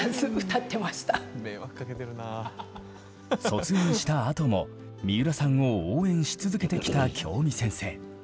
卒園したあとも三浦さんを応援し続けてきた京美先生。